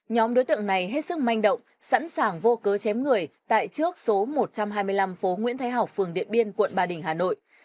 nhóm đối tượng này hết sức manh động sẵn sàng vô cớ chém người tại trước số một trăm hai mươi năm phố nguyễn thái hảo phường điện biên quận ba đình hà nội